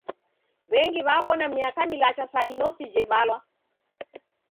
W'engi w'aw'ona miaka milacha sa inosi jevalwa.